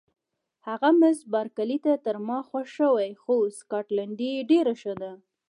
هغه مس بارکلي ته تر ما خوښ شوې، خو سکاټلنډۍ یې ډېره ښه ده.